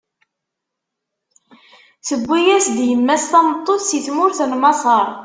Tewwi-as-d yemma-s tameṭṭut si tmurt n Maṣer.